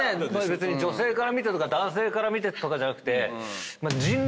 別に女性から見てとか男性から見てとかじゃなくて。